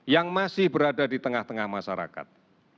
yang masih berada di tengah tengah masyarakat